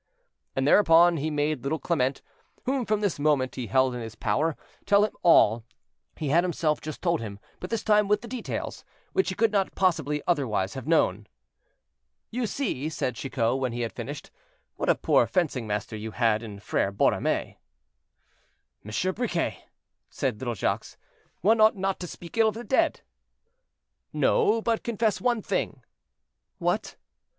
And thereupon he made little Clement, whom from this moment he held in his power, tell him all he had himself just told him, but this time with the details, which he could not possibly otherwise have known. "You see," said Chicot, when he had finished, "what a poor fencing master you had in Frere Borromée." "Monsieur Briquet," said little Jacques, "one ought not to speak ill of the dead." "No; but confess one thing." "What?"